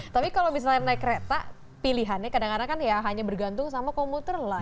tapi kalau misalnya naik kereta pilihannya kadang kadang kan ya hanya bergantung sama komuter lah